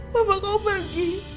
papa kamu pergi